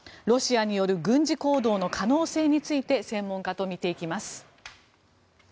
ロシアによる軍事行動の可能性について専門家と見ていきます。